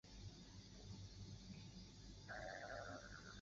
云南盒子草为葫芦科盒子草属下的一个变种。